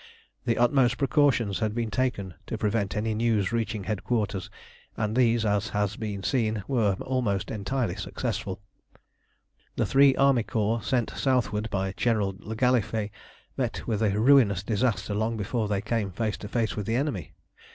The utmost precautions had been taken to prevent any news reaching headquarters, and these, as has been seen, were almost entirely successful. The three army corps sent southward by General le Gallifet met with a ruinous disaster long before they came face to face with the enemy.